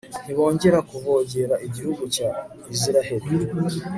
ntibongera kuvogera igihugu cya israheli